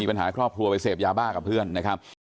ปัญหาครอบครัวไปเสพยาบ้ากับเพื่อนนะครับ